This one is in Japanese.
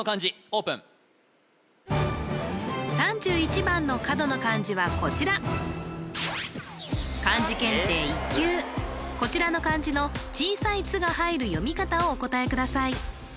オープン３１番の角の漢字はこちらこちらの漢字の小さい「つ」が入る読み方をお答えください